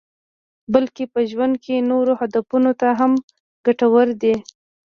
بلکې په ژوند کې نورو هدفونو ته هم ګټور دي.